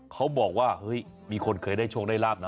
เขาบอกว่ามีคนเคยได้โชคในลาบนะ